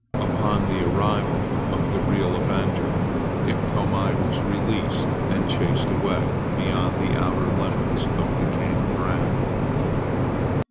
Upon the arrival of the real avenger, Iktomi was released and chased away beyond the outer limits of the camp ground.